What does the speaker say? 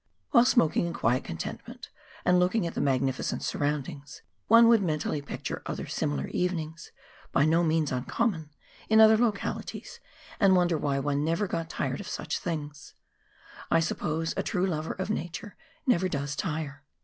While smoking in quiet contentment, and looking at the magnificent surroundings, one would men tally picture other similar evenings, by no means uncommon, in other localities, and wonder why one never got tired of such things. I suppose a true lover of nature never does tire.